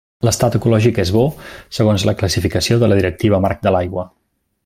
L’estat ecològic és Bo segons la classificació de la Directiva Marc de l'Aigua.